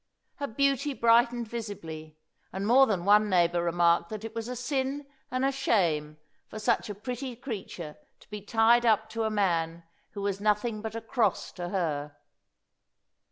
Her beauty brightened visibly, and more than one neighbour remarked that it was a sin and a shame for such a pretty creature to be tied up to a man who was nothing but a cross to her.